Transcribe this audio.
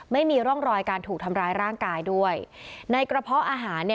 ไม่มีร่องรอยการถูกทำร้ายร่างกายด้วยในกระเพาะอาหารเนี่ย